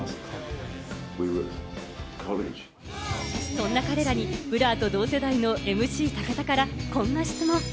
そんな彼らにＢｌｕｒと同世代のＭＣ・武田からこんな質問。